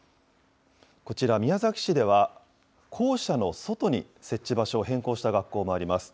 こちら、宮崎市では、校舎の外に設置場所を変更した学校もあります。